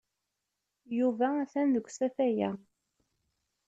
Yuba atan deg usafag-a.